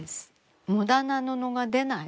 無駄な布が出ない。